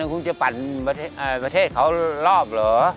คุณจะปั่นประเทศเขารอบเหรอ